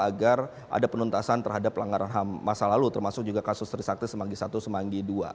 agar ada penuntasan terhadap pelanggaran ham masa lalu termasuk juga kasus trisakti semanggi i semanggi ii